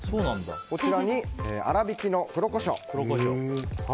こちらに粗びきの黒コショウ。